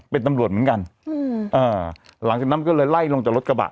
เป็นตำรวจเหมือนกันอืมอ่าหลังจากนั้นก็เลยไล่ลงจากรถกระบะ